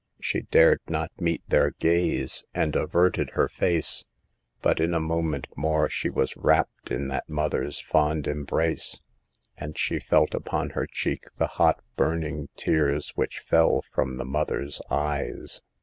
She dared not meet their gaze, and averted her face, but in a moment more she was wrapped in that mother's fond embrace, and she felt upon her cheek the hot, burning tears which fell from the mother's eyes.